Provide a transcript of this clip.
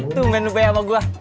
tungguin lu banyak sama gua